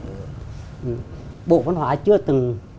bộ văn hóa chưa từng